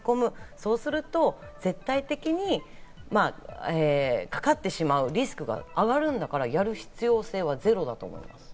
そうすると絶対的にかかってしまうリスクが上がるんだから、やる必要性はゼロだと思います。